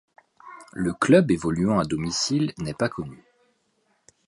Le club évoluant à domicile n'est pas connu.